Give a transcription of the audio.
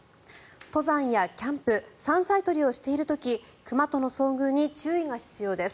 登山やキャンプ山菜採りをしている時熊との遭遇に注意が必要です。